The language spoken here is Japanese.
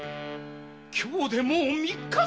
今日でもう三日ぞ。